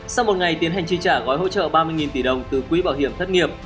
sau một ngày tiến hành chi trả gói hỗ trợ ba mươi tỷ đồng từ quỹ bảo hiểm thất nghiệp